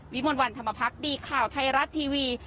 วิมวัลวันธรรมพักษ์ดีข่าวไทยรัตน์ทีวี